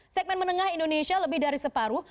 segmen menengah indonesia lebih dari separuh